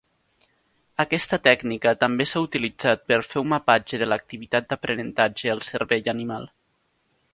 Aquesta tècnica també s'ha utilitzat per fer un mapatge de l'activitat d'aprenentatge al cervell animal.